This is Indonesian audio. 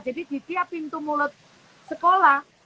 jadi di tiap pintu mulut sekolah